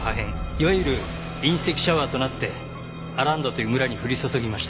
いわゆる隕石シャワーとなってアランダという村に降り注ぎました。